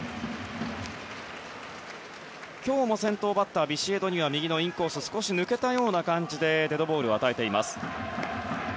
今日も先頭バッターのビシエドには右のインコース少し抜けた感じでデッドボールを与えています。